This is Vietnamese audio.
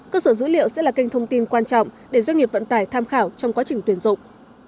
cơ sở dữ liệu sẽ là kênh thông tin quan trọng để doanh nghiệp vận tải tham khảo trong quá trình tuyển dụng